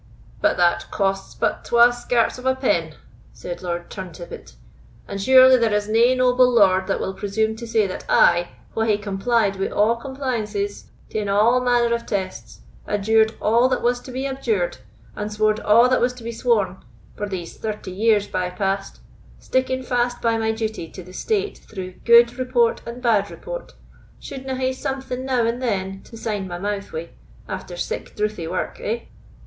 "But that costs but twa skarts of a pen," said Lord Turntippet; "and surely there is nae noble lord that will presume to say that I, wha hae complied wi' a' compliances, taen all manner of tests, abujred all that was to be abjured, and sworn a' that was to be sworn, for these thirty years bye past, sticking fast by my duty to the state through good report and bad report, shouldna hae something now and then to synd my mouth wi' after sic drouthy wark? Eh?"